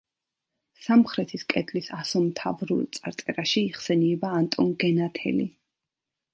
სამხრეთის კედლის ასომთავრულ წარწერაში იხსენიება ანტონ გენათელი.